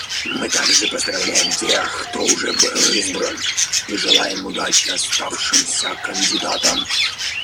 Мы также поздравляем тех, кто уже был избран, и желаем удачи оставшимся кандидатам.